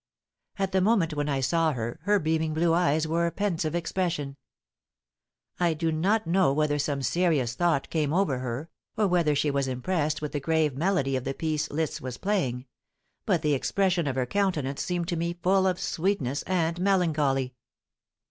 At the moment when I saw her her beaming blue eyes wore a pensive expression. I do not know whether some serious thought came over her, or whether she was impressed with the grave melody of the piece Liszt was playing; but the expression of her countenance seemed to me full of sweetness and melancholy.